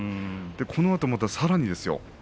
このあとまたさらにですよ。